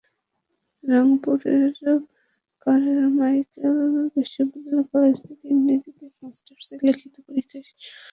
রংপুরের কারমাইকেল বিশ্ববিদ্যালয় কলেজ থেকে ইংরেজিতে মাস্টার্সের লিখিত পরীক্ষা শেষ করেছেন মনমোহন।